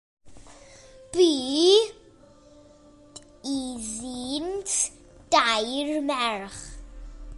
Bu iddynt dair merch.